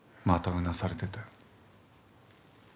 またうなされてたよ